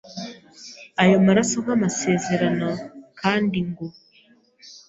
ayo maraso nk’amasezerano kandi ngo